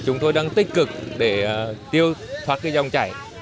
chúng tôi đang tích cực để tiêu thoát dòng chảy